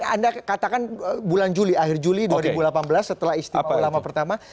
anda katakan bulan juli akhir juli dua ribu delapan belas setelah istimewa ulama pertama